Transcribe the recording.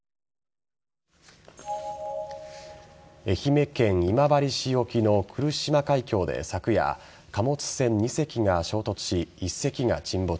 愛媛県今治市沖の来島海峡で昨夜貨物船２隻が衝突し、１隻が沈没。